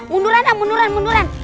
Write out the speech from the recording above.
munduran dah munduran munduran